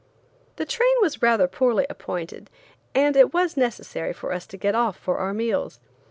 The train was rather poorly appointed, and it was necessary for us to get off for our meals.